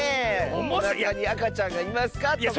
「おなかにあかちゃんがいますか？」とか。